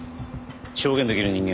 証言できる人間は？